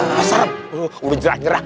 masam udah nyerah nyerah